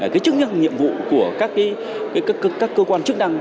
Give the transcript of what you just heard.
cái chức năng nhiệm vụ của các cơ quan chức năng